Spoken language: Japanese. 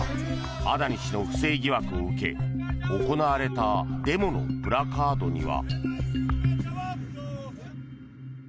アダニ氏の不正疑惑を受け行われたデモのプラカードには。